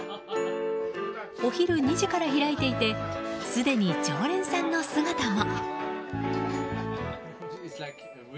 お昼２時から開いていてすでに常連さんの姿も。